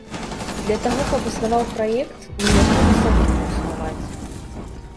Для таго, каб існаваў праект, мне трэба самому існаваць.